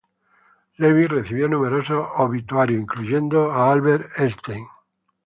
Levi recibió numerosos obituarios, incluyendo a Albert Einstein.